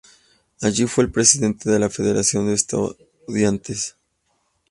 Allí fue el presidente de la federación de estudiantes.